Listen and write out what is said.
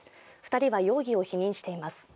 ２人は容疑を否認しています。